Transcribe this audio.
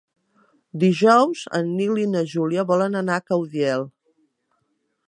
Dijous en Nil i na Júlia volen anar a Caudiel.